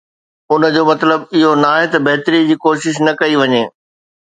ان جو مطلب اهو ناهي ته بهتري جي ڪوشش نه ڪئي وڃي.